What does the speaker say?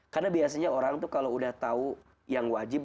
karena biasanya orang tuh kalau udah tahu yang wajib